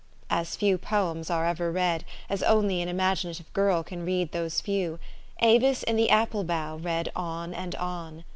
As few poems are ever read, as only an imagina tive girl can read those few, Avis in the apple bough read on and on.